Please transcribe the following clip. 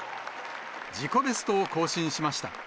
自己ベストを更新しました。